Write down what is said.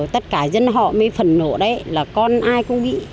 tất cả dân họ mới phẫn nộ đấy là con ai cũng bị